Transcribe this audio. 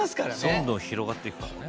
どんどん広がっていくからね。